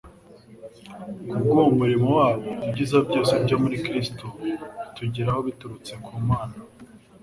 Kubw'umurimo wabo, ibyiza byose byo muri Kristo bitugeraho biturutse ku Mana.